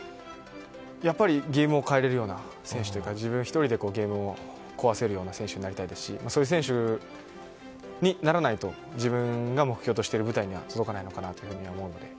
やっぱりゲームを変えられるような選手というか自分１人でゲームを壊せるような選手になりたいですしそういう選手にならないと自分が目標としている舞台には届かないかなと思うので。